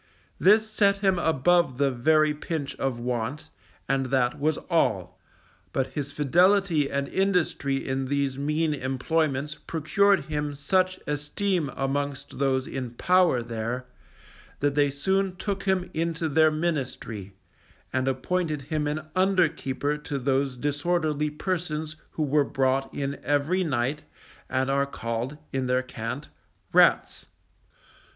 This set him above the very pinch of want, and that was all; but his fidelity and industry in these mean employments procured him such esteem amongst those in power there, that they soon took him into their ministry, and appointed him an under keeper to those disorderly persons who were brought in every night and are called, in their cant, "rats."